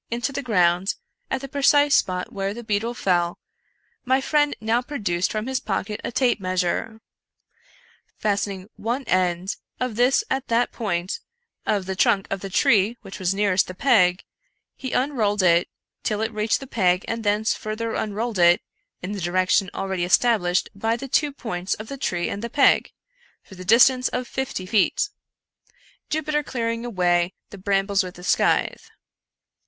into the ground, at the precise spot where the beetle fell, my friend now produced from his pocket a tape measure. Fastening one end of this at that point of the trunk of the tree which was nearest the peg, he unrolled it till it reached the peg and thence fur ther imrolled it in the direction already established by the two points of the tree and the peg, for the distance of fifty feet — Jupiter clearing away the brambles with the scNthe.